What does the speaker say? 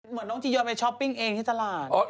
เหมือนต้องจะยอมไปช้อปปิ้งเองที่ตลาด